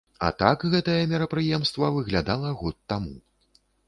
А так гэтае мерапрыемства выглядала год таму.